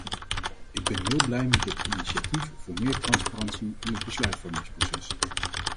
Ik ben heel blij met het initiatief voor meer transparantie in het besluitvormingsproces.